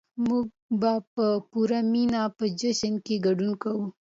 موږ به په پوره مينه په جشن کې ګډون کوو.